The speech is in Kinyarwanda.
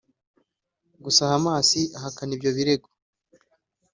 Gusa Hamas ihakana ibyo birego